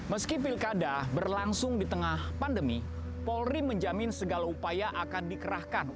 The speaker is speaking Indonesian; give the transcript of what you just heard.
meski pilkada berlangsung di tengah pandemi polri menjamin segala upaya akan dikerahkan